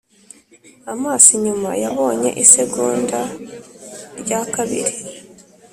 amaso inyuma yabonye isegonda ryakabiri